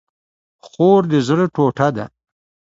خور د زړه ټوټه ده